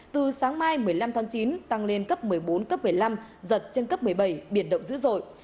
từ sáng mai một mươi năm tháng chín tăng lên cấp một mươi bốn cấp một mươi năm giật trên cấp một mươi bảy biển động dữ dội